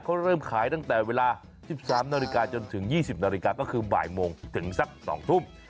เขาเริ่มขายตั้งแต่เวลา๑๓นาฬิกาจนถึง๒๐นาฬิกาก็คือบ่ายโมงถึงสัก๒ทุ่ม